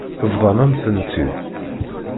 Bḍan-am-tent-id.